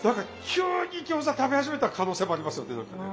急に餃子食べ始めた可能性もありますよね何かね。